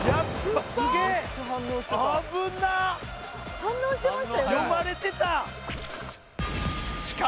反応してましたよでも。